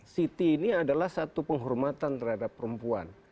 siti ini adalah satu penghormatan terhadap perempuan